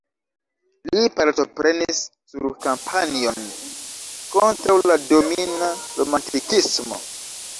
Li partoprenis sur kampanjon kontraŭ la domina romantikismo.